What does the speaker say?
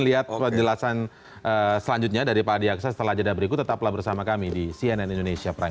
lihat penjelasan selanjutnya dari pak diakses telah jadwal berikut tetaplah bersama kami di cnn indonesia